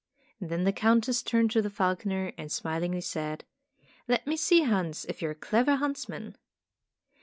Then the Countess turned to the falconer and smilingly said: ''Let me see, Hans, if you are a clever huntsman."